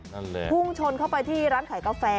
นั่นแหละพุ่งชนเข้าไปที่ร้านขายกาแฟ